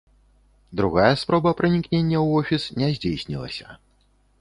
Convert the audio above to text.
Другая спроба пранікнення ў офіс не здзейснілася.